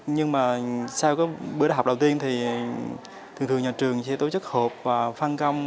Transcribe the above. nhưng mà sau bữa học đầu tiên thì thường thường nhà trường sẽ tổ chức hộp và phan công